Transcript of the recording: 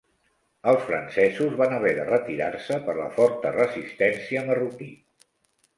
Els francesos van haver de retirar-se per la forta resistència marroquí.